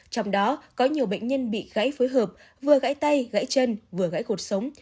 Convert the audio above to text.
trong đó có nhiều bệnh nhân bị gãy phối hợp vừa gãy tay gãy chân vừa gãy cột sống